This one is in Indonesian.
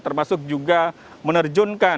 termasuk juga menerbitkan